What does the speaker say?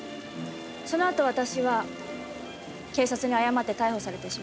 そのあと私は警察に誤って逮捕されてしまって。